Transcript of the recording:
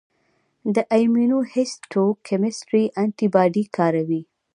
د ایمونوهیسټوکیمسټري انټي باډي کاروي.